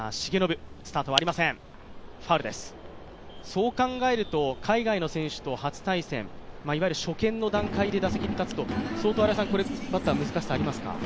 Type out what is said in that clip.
そう考えると海外の選手と初対戦、いわゆる初見の段階で打席にたつと、相当バッター、難しさがありますか？